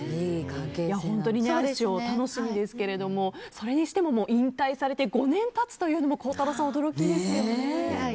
アイスショー楽しみですがそれにしても引退されて５年経つというのも孝太郎さん、驚きですよね。